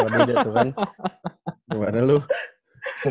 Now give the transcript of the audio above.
malah beda tuh kan